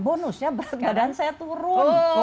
bonusnya badan saya turun